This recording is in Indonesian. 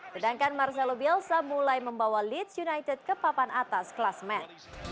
sedangkan marcelo bielsa mulai membawa leeds united ke papan atas klasmen